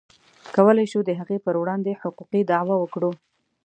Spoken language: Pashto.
کولی شو د هغې پر وړاندې حقوقي دعوه وکړو.